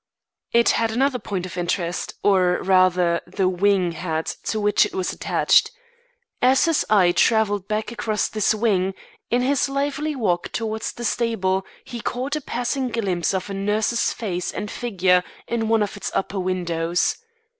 It had another point of interest, or, rather the wing had to which it was attached. As his eye travelled back across this wing, in his lively walk towards the stable, he caught a passing glimpse of a nurse's face and figure in one of its upper windows.